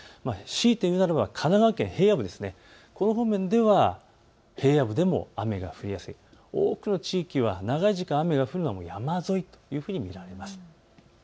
強いて言うなら神奈川県平野部、この方面では平野部でも雨が降りやすい、多くの地域は長い時間雨が降るのは山沿いと見られます。